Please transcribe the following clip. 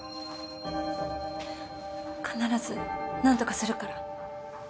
必ず何とかするから。